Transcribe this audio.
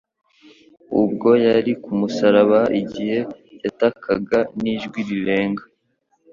ubwo yari ku musaraba igihe yatakaga n'ijwi rirenga,